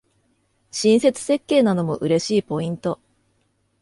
親切設計なのも嬉しいポイント